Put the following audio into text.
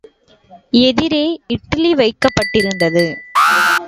எதிரே இட்லி வைக்கப்பட்டிருந்தது.